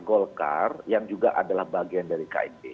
golkar yang juga adalah bagian dari kib